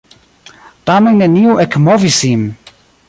Tamen neniu ekmovis sin!